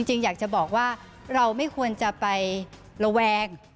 จริงอยากจะบอกว่าเราไม่ควรจะไประแวง